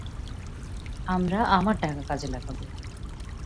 আমরা আমার টাকা কাজে লাগাবো।